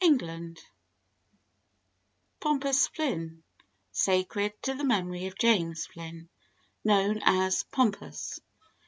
146 POMPOUS FLYNN= Sacred to the memory of James Flynn (Known as, "Pompous.")